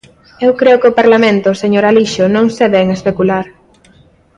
Eu creo que ao Parlamento, señor Alixo, non se vén especular.